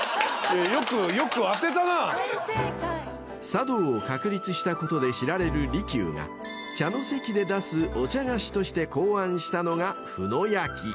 ［茶道を確立したことで知られる利休が茶の席で出すお茶菓子として考案したのが麩の焼］